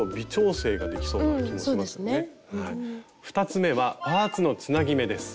２つ目はパーツのつなぎ目です。